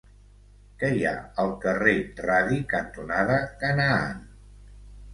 Què hi ha al carrer Radi cantonada Canaan?